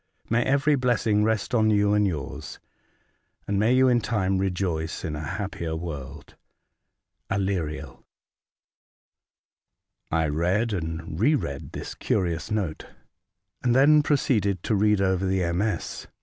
May every blessing rest on you and yours, and may you in time rejoice in a happier world !'^ Aleriel." I read and re read this curious note, and then proceeded to read over the MS.